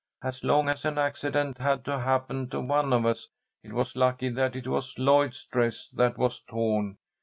"As long as an accident had to happen to one of us it was lucky that it was Lloyd's dress that was torn.